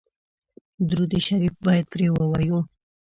درود شریف باید پرې ووایو.